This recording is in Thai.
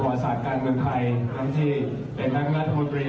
ก็เลยทำให้รู้สึกว่าสิ่งที่เรากำลังเผชิญอยู่